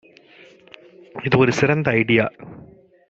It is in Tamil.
இது ஒரு சிறந்த ஐடியா